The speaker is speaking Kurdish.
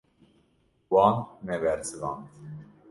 Wan nebersivand.